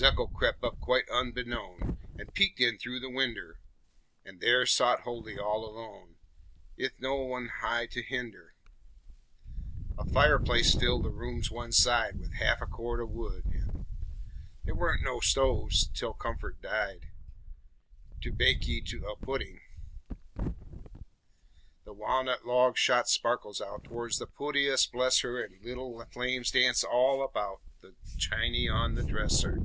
Zekle crep' up quite unbeknown An' peeked in thru' the winder, An' there sot Huldy all alone, 'Ith no one nigh to hender. A fireplace filled the room's one side With half a cord o' wood in There warn't no stoves (tell comfort died) To bake ye to a puddin'. The wa'nut logs shot sparkles out Towards the pootiest, bless her, An' leetle flames danced all about The chiny on the dresser.